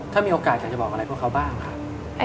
ถ้ามีโอกาสอยากจะบอกอะไรพวกเขาบ้างครับ